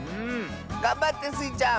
がんばってスイちゃん！